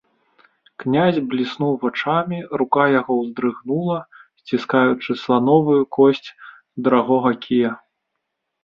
Князь бліснуў вачамі, рука яго ўздрыгнула, сціскаючы слановую косць дарагога кія.